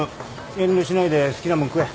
遠慮しないで好きなもん食え。